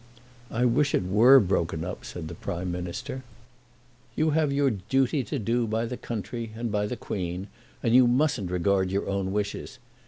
"I wish it were broken up," said the Prime Minister. "You have your duty to do by the country and by the Queen, and you mustn't regard your own wishes.